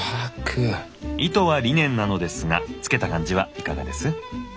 糸はリネンなのですが着けた感じはいかがです？